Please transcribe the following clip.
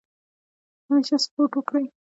همیشه سپورټ وکړئ.